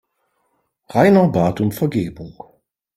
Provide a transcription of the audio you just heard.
Rainer bat um Vergebung.